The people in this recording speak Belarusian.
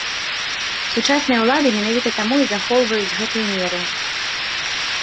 Сучасныя ўлады менавіта таму і захоўваюць гэтую меру.